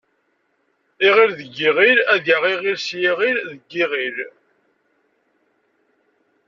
Iɣil d iɣil ad yaɣ iɣil s yiɣil deg yiɣil.